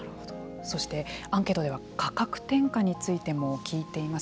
そして、アンケートでは価格転嫁についても聞いています。